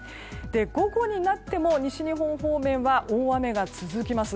午後になっても西日本方面は大雨が続きます。